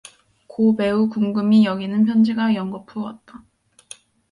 고 매우 궁금히 여기는 편지가 연거푸 왔다.